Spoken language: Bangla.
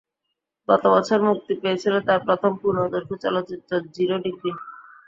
গত বছর মুক্তি পেয়েছিল তাঁর প্রথম পূর্ণদৈর্ঘ্য চলচ্চিত্র জিরো ডিগ্রি।